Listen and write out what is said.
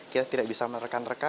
kita tidak bisa merekan reka